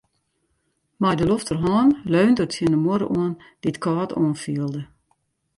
Mei de lofterhân leunde er tsjin de muorre oan, dy't kâld oanfielde.